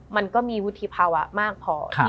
มันก็มีวุฒิภาวะมากพอ